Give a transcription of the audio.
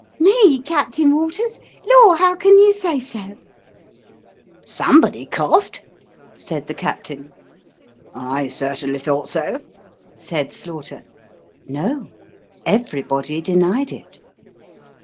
' Me, Captain Waters ! Lor ! how can you say so ?"' Somebody coughed," said the captain. ' I certainly thought so," said Slaughter. No ; everybody denied it.